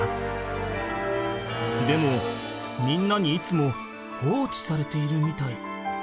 でもみんなにいつも放置されているみたい。